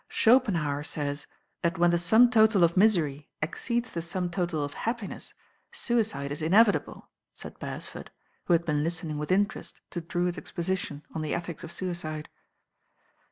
"Schopenhauer says that when the sum total of misery exceeds the sum total of happiness suicide is mevitable," said Beresford, who had been listening with mterest to Drewitt's exposition on the ethics of suicide.